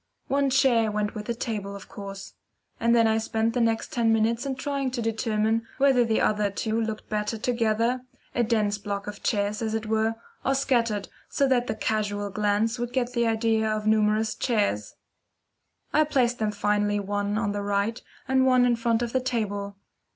One chair went with the table, of course; and then I spent the next ten minutes in trying to determine whether the other two looked better together a dense block of chairs, as it were or scattered so that the casual glance would get the idea of numerous chairs. I placed them finally one on the right, and one in front of the table.